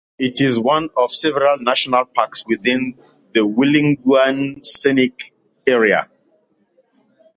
It is one of several national parks within the Wulingyuan Scenic Area.